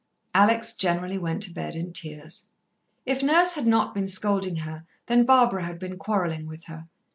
Alex generally went to bed in tears. If Nurse had not been scolding her, then Barbara had been quarrelling with her.